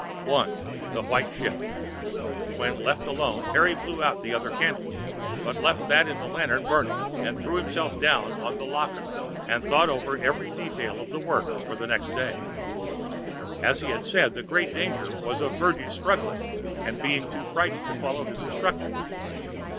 ] When left alone Harry blew out the other candles, but left that in the lantern burning, and threw himself down on the locker and thought over every detail of the work for the next day. As he had said, the great danger was of Virginie struggling and being too frightened to follow his instructions.